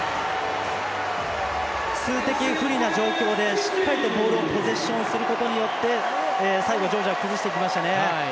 数的不利な状況でしっかりボールをポゼッションすることによって最後、ジョージア崩していきましたね。